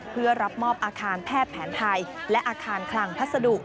เพื่อรับมอบอาคารแพทย์แผนไทยและอาคารคลังพัสดุ